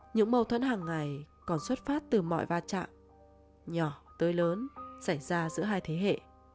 những mâu thuẫn hàng ngày còn xuất phát từ mọi va chạm nhỏ tới lớn xảy ra giữa hai thế hệ